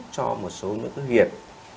cho một số những cái nghiệp